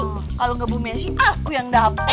kalau enggak bu messi aku yang dapat